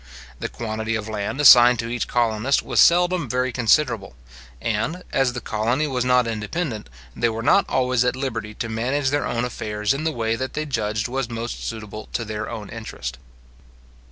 The quantity of land assigned to each colonist was seldom very considerable, and, as the colony was not independent, they were not always at liberty to manage their own affairs in the way that they judged was most suitable to their own interest.